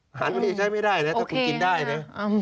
อาหารก็ไม่ใช้ไม่ได้นะถ้าคุณกินได้นะ